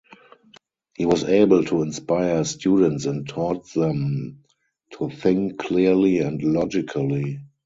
He was able to inspire students and taught them to think clearly and logically.